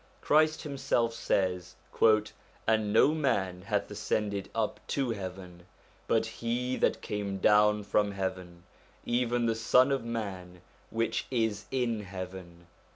Christ himself says :' And no man hath ascended up to heaven, but he that came down from heaven, even the Son of man which is in heaven.'